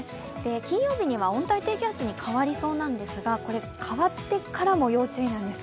金曜日には温帯低気圧に変わりそうなんですがこれ、変わってからも要注意なんです。